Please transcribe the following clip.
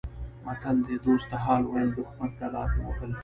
متل دی: دوست ته حال ویل دښمن ته لافې وهل